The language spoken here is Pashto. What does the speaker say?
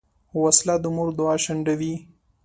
وسله د مور دعا شنډوي